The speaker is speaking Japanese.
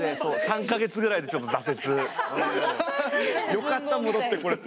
よかった戻ってこれて。